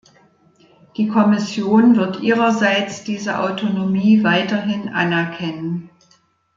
Die Kommission wird ihrerseits diese Autonomie weiterhin anerkennen.